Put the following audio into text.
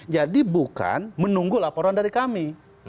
jadi bukan menunggu laporan dari kami